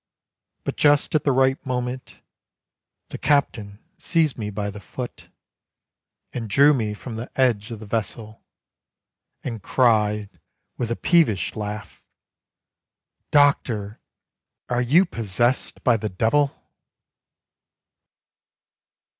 But just at the right moment The captain seized me by the foot, And drew me from the edge of the vessel, And cried with a peevish laugh, "Doctor, are you possessed by the devil?"